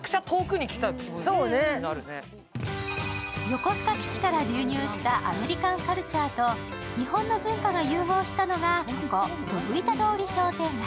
横須賀基地から流入したアメリカンカルチャーと日本の文化が融合したのがここどぶ板通り商店街。